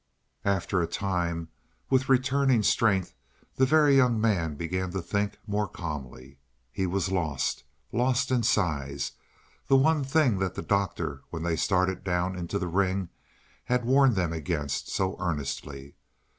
After a time, with returning strength, the Very Young Man began to think more calmly. He was lost lost in size the one thing that the Doctor, when they started down into the ring, had warned them against so earnestly.